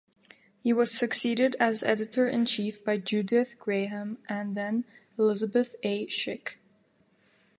He was succeeded as editor-in-chief by Judith Graham and then Elizabeth A. Schick.